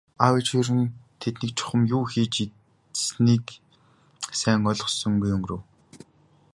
Аав ээж хоёр нь тэднийг чухам юу хийж идсэнийг сайн ойлгосонгүй өнгөрөв.